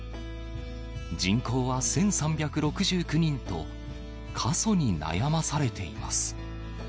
人口は１３６９人と過疎に悩まされています。